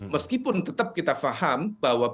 meskipun tetap kita paham bahwa